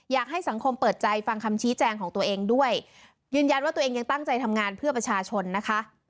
อยากให้สังคมเปิดใจฟังคำชี้แจงของตัวเองด้วยยืนยันว่าตัวเองยังตั้งใจทำงานเพื่อประชาชนนะคะ